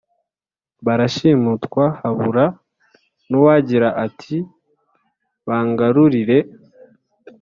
barashimutwa, habura n’uwagira ati «Bangarurire !»